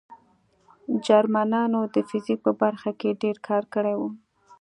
جرمنانو د فزیک په برخه کې ډېر کار کړی و